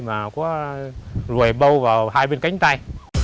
mà có lùi bâu vào hai bên cánh tay